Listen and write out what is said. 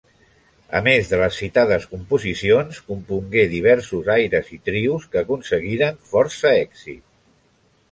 A més de les citades composicions, compongué diversos aires i trios que aconseguiren força èxit.